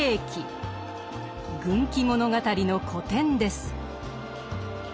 軍記物語の古典です。